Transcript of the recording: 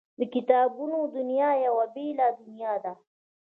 د کتابونو دنیا یوه بېله دنیا ده